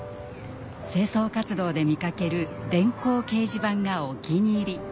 清掃活動で見かける電光掲示板がお気に入り。